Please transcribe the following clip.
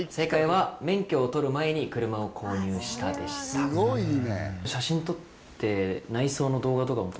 すごいね。